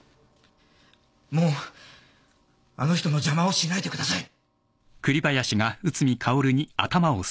もうあの人の邪魔をしないでください。